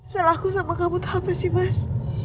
salahku sama kamu tuh apa sih mas